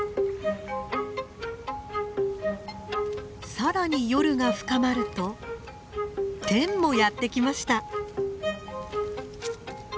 更に夜が深まるとテンもやって来ました。